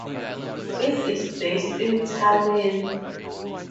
It is based in Tallinn.